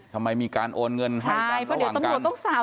ทำไมมีการโอนเงินให้ใช่เพราะเดี๋ยวตำรวจต้องสั่ง